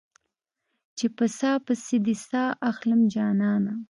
چې په ساه پسې دې ساه اخلم جانانه